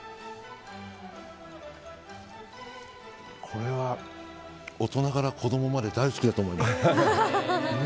これは大人から子供まで大好きだと思います。